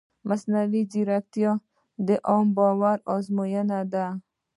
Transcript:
مصنوعي ځیرکتیا د عامه باور ازموینه ده.